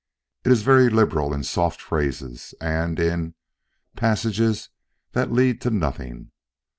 It is very liberal in soft phrases, and in "passages that lead to nothing."